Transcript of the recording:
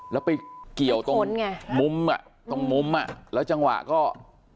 แล้วไปเกี่ยวตรงมุมอ่ะแล้วจังหวะก็กระแทก